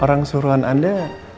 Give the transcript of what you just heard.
orang suruhan anda